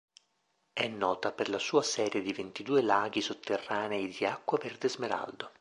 È nota per la sua serie di ventidue laghi sotterranei di acqua verde smeraldo.